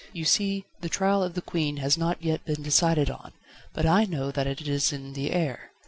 You see the trial of the Queen has not yet been decided on, but I know that it is in the air.